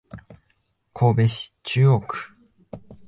神戸市中央区